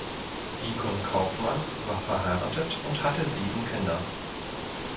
Egon Kauffmann war verheiratet und hatte sieben Kinder.